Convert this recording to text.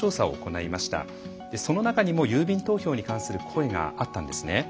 その中にも郵便投票に関する声があったんですね。